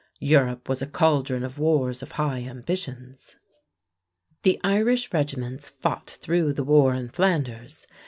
Europe was a caldron of wars of high ambitions. The Irish regiments fought through the war in Flanders.